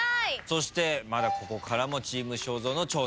そしてまだここからもチーム正蔵の挑戦です。